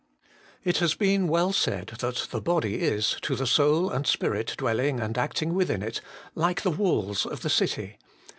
It has been well said that the body is, to the soul and spirit dwelling and acting within it, like the walls of the city.